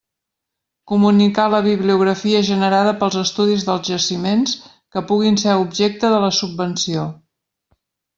Comunicar la bibliografia generada pels estudis dels jaciments que puguin ser objecte de la subvenció.